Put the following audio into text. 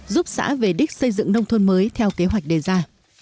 giúp xã về đích xây dựng nông thôn mới theo kế hoạch đề ra